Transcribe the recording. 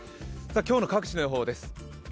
今日の各地の予報です。